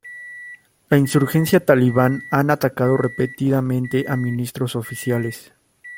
La insurgencia Talibán han atacado repetidamente a ministros oficiales.